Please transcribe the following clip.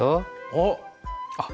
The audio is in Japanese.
おっ。